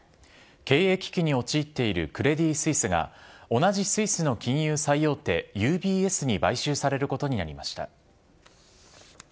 経営危機に陥っているクレディ・スイスが、同じスイスの金融最大手、ＵＢＳに買収されることになりました。